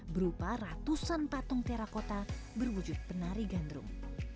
berupa ratusan patung terakota berwujud penari gandrung